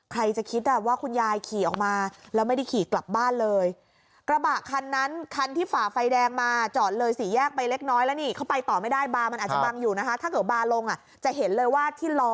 ใครจะคิดว่าคุณยายขี่ออกมาแล้วไม่ได้ขี่กลับบ้านเลยกระบะคันนั้นคันที่ฝ่าไฟแดงมาจอดเลยสี่แยกไปเล็กน้อยแล้วนี่เขาไปต่อไม่ได้บาร์มันอาจจะบังอยู่นะคะถ้าเกิดบาร์ลงอ่ะจะเห็นเลยว่าที่ล้อ